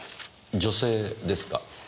女性ですか。